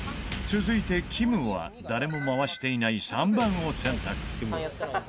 続いてきむは誰も回していない３番を選択。